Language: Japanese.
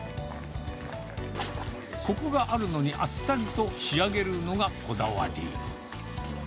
こくがあるのにあっさりと仕上げるのがこだわり。